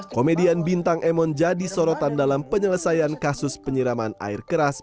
komedian bintang emon jadi sorotan dalam penyelesaian kasus penyiraman air keras